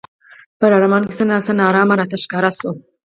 په لړمانه کې څه نا څه نا ارامه راته ښکاره شو.